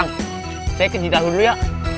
bang saya ke cintahulu dulu ya